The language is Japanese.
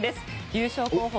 優勝候補